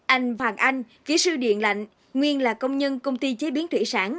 anh vàng anh kỹ sư điện lạnh nguyên là công nhân công ty chế biến thủy sản